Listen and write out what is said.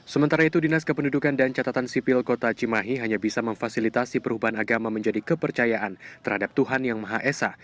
sementara itu dinas kependudukan dan catatan sipil kota cimahi hanya bisa memfasilitasi perubahan agama menjadi kepercayaan terhadap tuhan yang maha esa